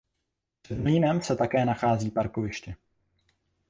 Před mlýnem se také nachází parkoviště.